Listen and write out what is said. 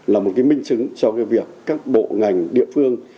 là một cái minh chứng cho cái việc các bộ ngành địa phương